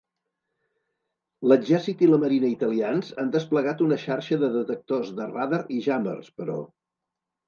L'exèrcit i la Marina italians han desplegat una xarxa de detectors de radar i jammers, però.